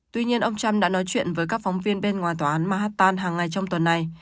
tuy nhiên ông trump đã nói chuyện với các phóng viên bên ngoài tòa án mahatan hàng ngày trong tuần này